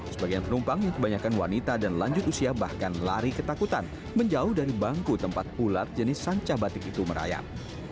sebagian penumpang yang kebanyakan wanita dan lanjut usia bahkan lari ketakutan menjauh dari bangku tempat ular jenis sancah batik itu merayap